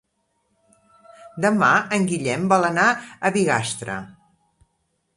Demà en Guillem vol anar a Bigastre.